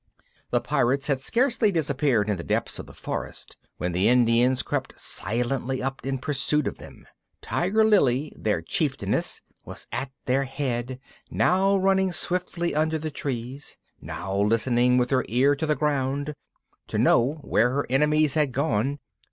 The Pirates had scarcely disappeared in the depths of the forest when the Indians crept silently up in pursuit of them. Tiger Lily, their chieftainess, was at their head, now running swiftly under the trees, now listening with her ear to the ground, to know where her enemies had gone.